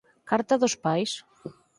Carta dos pais?